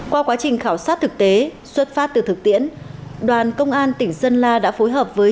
qua quá trình khảo sát thực tế xuất phát từ thực tiễn đoàn công an tỉnh sơn la đã phối hợp với